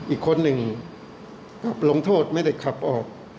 อีกคนหนึ่งลงโทษไม่ได้ขับออก